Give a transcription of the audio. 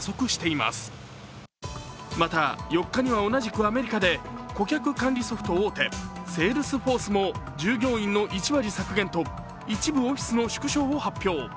また、４日には同じくアメリカで顧客管理ソフト大手セールスフォースも従業員の１割削減と、一部オフィスの縮小を発表。